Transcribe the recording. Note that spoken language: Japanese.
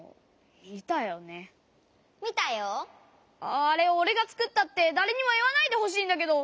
あれおれがつくったってだれにもいわないでほしいんだけど！